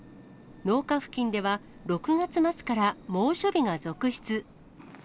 農家付近では６月末から猛暑日が続出。